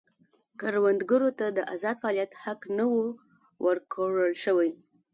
کروندګرو ته د ازاد فعالیت حق نه و ورکړل شوی.